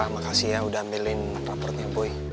makasih ya udah ambilin raportnya boy